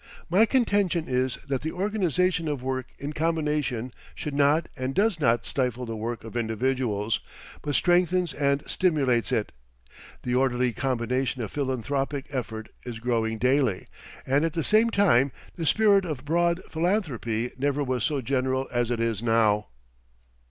My contention is that the organization of work in combination should not and does not stifle the work of individuals, but strengthens and stimulates it. The orderly combination of philanthropic effort is growing daily, and at the same time the spirit of broad philanthropy never was so general as it is now.